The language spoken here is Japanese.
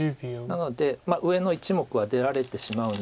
なので上の１目は出られてしまうんですが。